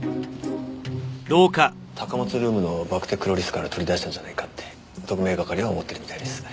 高松ルームのバクテクロリスから取り出したんじゃないかって特命係は思ってるみたいです。